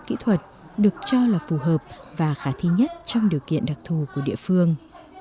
kỹ thuật được cho là phù hợp và khả thi nhất trong điều kiện đặc thù của địa phương